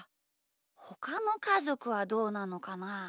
ほかのかぞくはどうなのかな？